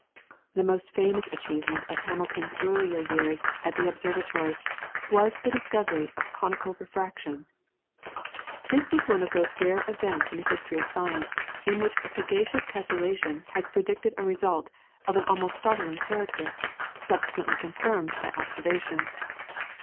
The most famous achievement of Hamilton's earlier years at the observatory was the discovery of conical refraction. This was one of those rare events in the history of science, in which a sagacious calculation has predicted a result of an almost startling character, subsequently confirmed by observation.